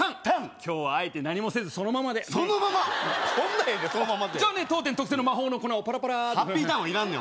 今日はあえて何もせずそのままでそのままこんなんやでそのままってじゃあね当店特製の魔法の粉をパラパラハッピーターンはいらんねん